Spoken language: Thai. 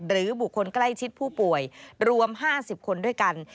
บุคคลใกล้ชิดผู้ป่วยรวม๕๐คนด้วยกัน